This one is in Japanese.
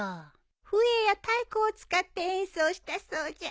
笛や太鼓を使って演奏したそうじゃ。